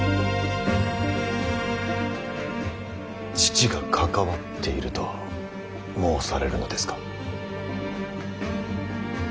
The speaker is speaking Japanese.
父が関わっていると申されるのですか。